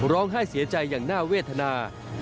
ร้องไห้เสียใจอย่างน่าเวทนา